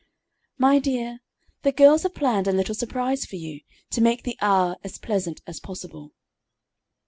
"My dear, the girls have planned a little surprise for you, to make the hour as pleasant as possible."